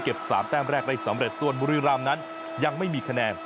๓แต้มแรกได้สำเร็จส่วนบุรีรามนั้นยังไม่มีคะแนน